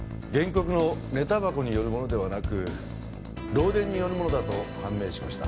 たばこによるものではなく漏電によるものだと判明しました。